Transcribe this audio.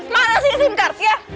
mana sini sim card ya